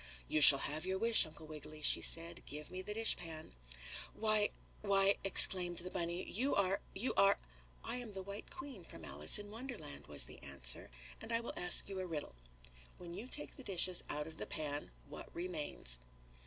"You shall have your wish, Uncle Wiggily," she said. "Give me the dishpan." "Why why!" exclaimed the bunny. "You are you are " "I am the White Queen from Alice in Wonderland," was the answer, "and I will ask you a riddle. When you take the dishes out of the pan what remains?"